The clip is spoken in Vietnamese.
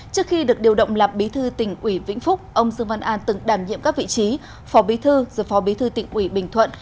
trước khi được điều động làm bí thư tỉnh ủy vĩnh phúc ông dương văn an từng đảm nhiệm các vị trí phó bí thư giờ phó bí thư tỉnh ủy bình thuận